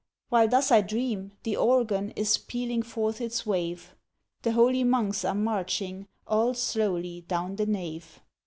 While thus I dream, the Organ Is pealing forth its wave, The Holy Monks are marching All slowly down the Nave.